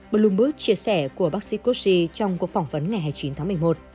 blue book chia sẻ của bác sĩ gauthier trong cuộc phỏng vấn ngày hai mươi chín tháng một mươi một